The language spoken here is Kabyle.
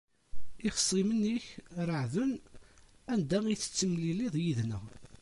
Ixṣimen-ik reɛden anda i tettemliliḍ yid-neɣ.